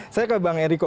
saya ke bang eriko